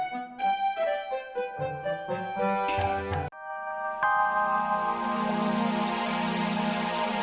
nanti kita siap siap